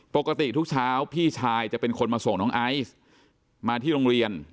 ปกติทุกเช้าพี่ชายจะเป็นคนมาส่งน้องไอซ์มาที่โรงเรียน